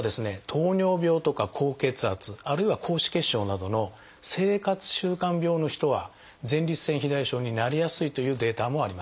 糖尿病とか高血圧あるいは高脂血症などの生活習慣病の人は前立腺肥大症になりやすいというデータもあります。